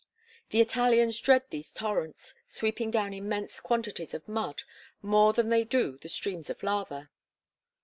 The Italians dread these torrents, sweeping down immense quantities of mud, more than they do the streams of lava.